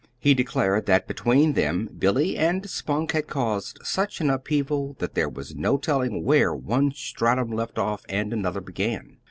He declared that between them, Billy and Spunk had caused such an upheaval that there was no telling where one stratum left off and another began.